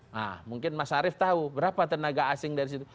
nah mungkin mas arief tahu berapa tenaga asing dari situ